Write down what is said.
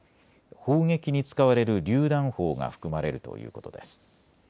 砲撃に使われるりゅう弾砲が含まれるということです。